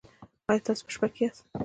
ایا تاسو په شپه کې یاست؟